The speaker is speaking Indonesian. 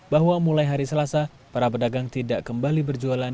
bahwa mulai hari selasa para pedagang tidak kembali berjualan